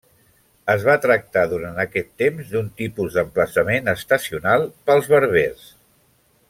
Es va tractar durant aquest temps d'un tipus d'emplaçament estacional pels berbers.